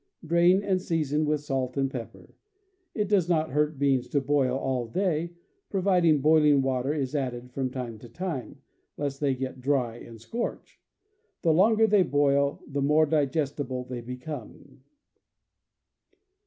Drain, and season with salt and pepper. It does not hurt beans to boil all day, provided boil ing water is added from time to time, lest they get dry and scorch. The longer they boil the more digestible they become.